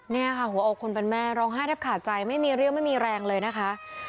เนี่ยค่ะหัวอกคนเป็นแม่ร้องไห้แทบขาดใจไม่มีเรี่ยวไม่มีแรงเลยนะคะ